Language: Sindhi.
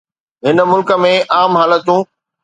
هن ملڪ ۾ عام حالتون.